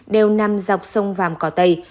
đều nằm dọc sông vàm cỏ tây